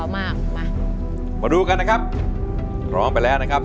มาดูกันนะครับ